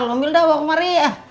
lo ambil dah bawa kemari ya